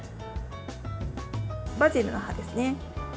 バジルの葉ですね。